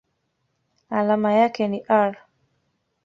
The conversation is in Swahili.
Alama yake ni Ar.